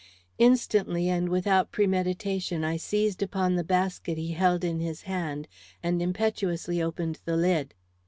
Instantly and without premeditation I seized upon the basket he held in his hand, and impetuously opened the lid.